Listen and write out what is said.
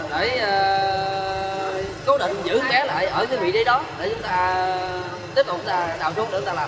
để cố định giữ bé lại ở vị trí đó để chúng ta tiếp tục đào sâu được